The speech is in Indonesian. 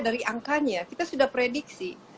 dari angkanya kita sudah prediksi